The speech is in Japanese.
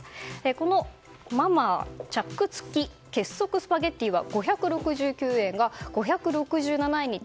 このマ・マーチャック付結束スパゲティは５６９円が５６７円に。